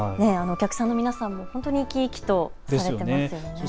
お客さんの皆さんもほんとに生き生きとされていましたね。